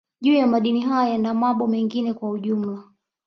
Juu ya Madini haya na mabo mengine kwa ujumla